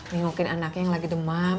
nengokin anaknya yang lagi demam